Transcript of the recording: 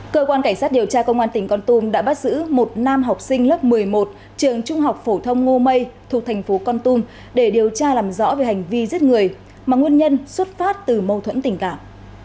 cơ quan cảnh sát điều tra công an tỉnh con tum đã bắt giữ một nam học sinh lớp một mươi một trường trung học phổ thông ngô mây thuộc thành phố con tum để điều tra làm rõ về hành vi giết người mà nguyên nhân xuất phát từ mâu thuẫn tình cảm